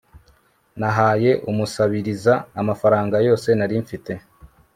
nahaye umusabiriza amafaranga yose nari mfite